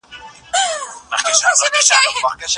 که ټولنه کتاب ونه لولي نو په بدويت کي به پاته سي.